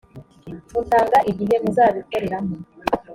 mutanga igihe muzabikoreramo.